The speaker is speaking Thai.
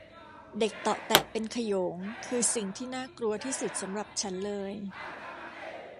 เด็กเตาะแตะเป็นขโยงคือสิ่งที่น่ากลัวที่สุดสำหรับฉันเลย